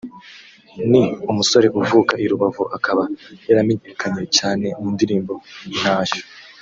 ni umusore uvuka i Rubavu akaba yaramenyekanye cyane mu ndirimbo ’Intashyo’